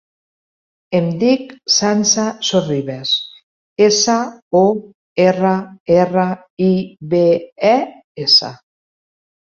Em dic Sança Sorribes: essa, o, erra, erra, i, be, e, essa.